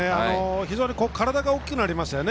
非常に体が大きくなりましたよね